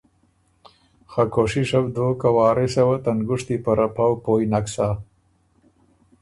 خه کوشِشه بو دوک که وارثه وه ته نګُشتی په رپؤ پویٛ نک سۀ۔